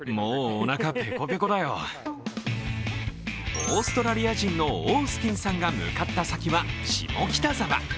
オーストラリア人のオースティンさんが向かった先は下北沢。